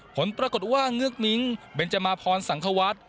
ผลปรากฏว่าเงือกมิ้งเบนจมาพรสังควัฒน์